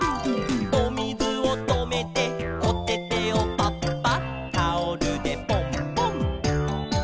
「おみずをとめておててをパッパッ」「タオルでポンポン」